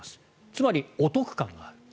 つまりお得感がある。